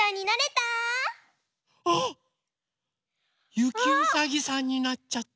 ゆきうさぎさんになっちゃった。